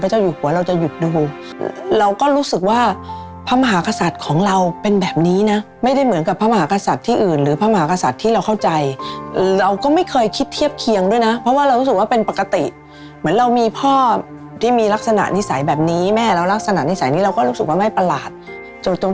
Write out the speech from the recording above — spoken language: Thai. เจ้าอยู่หัวเราจะหยุดดูเราก็รู้สึกว่าพระมหากษัตริย์ของเราเป็นแบบนี้นะไม่ได้เหมือนกับพระมหากษัตริย์ที่อื่นหรือพระมหากษัตริย์ที่เราเข้าใจเราก็ไม่เคยคิดเทียบเคียงด้วยนะเพราะว่าเรารู้สึกว่าเป็นปกติเหมือนเรามีพ่อที่มีลักษณะนิสัยแบบนี้แม่เราลักษณะนิสัยนี้เราก็รู้สึกว่าไม่ประหลาดจน